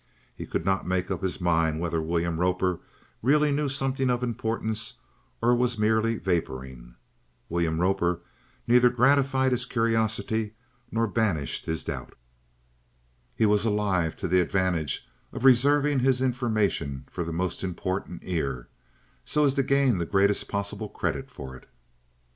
He could not make up his mind whether William Roper really knew something of importance or was merely vapouring. William Roper neither gratified his curiosity, nor banished his doubt. He was alive to the advantage of reserving his information for the most important ear, so as to gain the greatest possible credit for it.